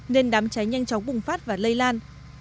nên đám cháy nhanh chóng bùng phát và lây lan